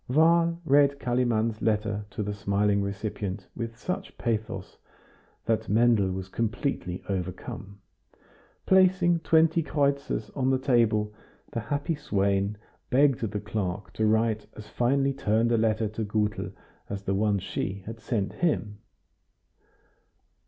Wahl read Kalimann's letter to the smiling recipient with such pathos that Mendel was completely overcome. Placing twenty kreutzers on the table, the happy swain begged the clerk to write as finely turned a letter to Gutel as the one she had sent him.